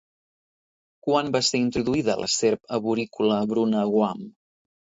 Quan va ser introduïda la serp arborícola bruna a Guam?